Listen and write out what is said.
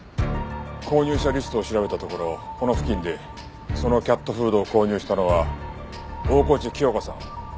購入者リストを調べたところこの付近でそのキャットフードを購入したのは大河内貴代子さん